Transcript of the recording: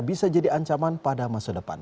bisa jadi ancaman pada masa depan